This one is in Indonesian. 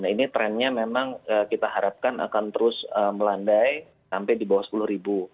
ini trennya memang kita harapkan akan terus melandai sampai di bawah sepuluh ribu